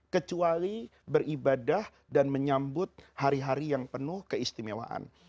kecuali beribadah dan menyambut hari hari yang penuh keistimewaan